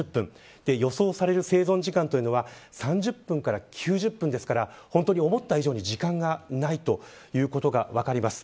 予想される生存時間というのは３０分から９０分ですから思った以上に時間がないということが分かります。